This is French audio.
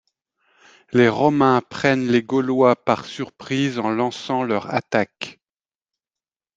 Les Romains prennent les Gaulois par surprise en lançant leur attaque.